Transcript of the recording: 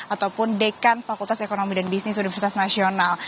ataupun dekan fakultas ekonomi dan bisnis universitas nasional